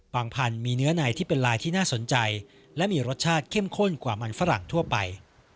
พันธุ์มีเนื้อในที่เป็นลายที่น่าสนใจและมีรสชาติเข้มข้นกว่ามันฝรั่งทั่วไป